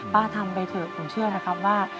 ทำไปเถอะผมเชื่อนะครับว่า